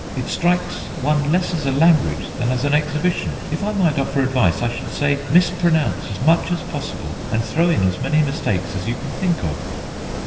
It strikes one less as a language than as an exhibition. If I might offer advice, I should say: Mispronounce as much as possible, and throw in as many mistakes as you can think of."